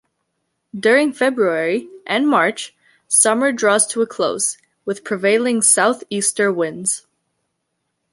During February and March, summer draws to a close, with prevailing South Easter winds.